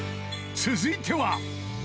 続いては